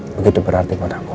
begitu berarti buat aku